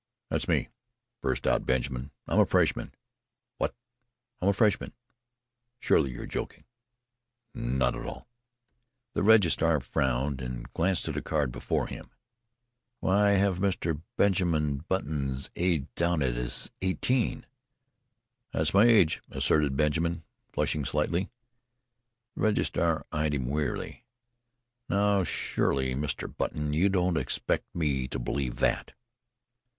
"That's me!" burst out Benjamin. "I'm a freshman." "What!" "I'm a freshman." "Surely you're joking." "Not at all." The registrar frowned and glanced at a card before him. "Why, I have Mr. Benjamin Button's age down here as eighteen." "That's my age," asserted Benjamin, flushing slightly. The registrar eyed him wearily. "Now surely, Mr. Button, you don't expect me to believe that."